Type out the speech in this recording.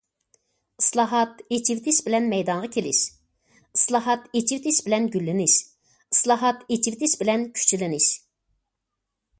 ئىسلاھات، ئېچىۋېتىش بىلەن مەيدانغا كېلىش، ئىسلاھات، ئېچىۋېتىش بىلەن گۈللىنىش، ئىسلاھات، ئېچىۋېتىش بىلەن كۈچلىنىش.